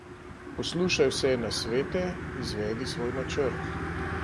Poslušaj vse nasvete, izvedi svoj načrt.